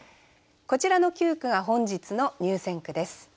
こちらの九句が本日の入選句です。